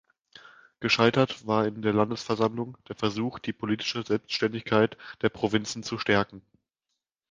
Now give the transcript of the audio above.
Gescheitert war in der Landesversammlung der Versuch die politische Selbstständigkeit der Provinzen zu stärken.